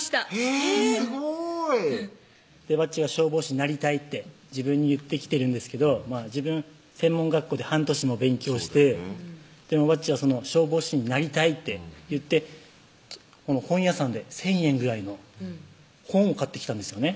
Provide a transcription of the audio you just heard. へぇすごいわっちは「消防士になりたい」って自分に言ってきてるんですけど自分専門学校で半年も勉強してでもわっちは「消防士になりたい」って言って本屋さんで１０００円ぐらいの本を買ってきたんですよね